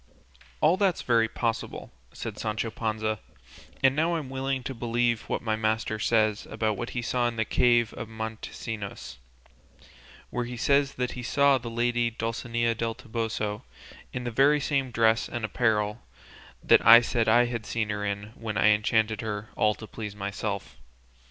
"All that's very possible," said Sancho Panza; "and now I'm willing to believe what my master says about what he saw in the cave of Montesinos, where he says he saw the lady Dulcinea del Toboso in the very same dress and apparel that I said I had seen her in when I enchanted her all to please myself.